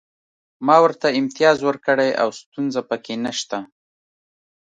ما ورته امتیاز ورکړی او ستونزه پکې نشته